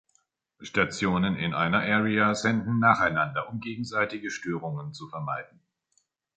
Stationen in einer Area senden nacheinander, um gegenseitige Störungen zu vermeiden.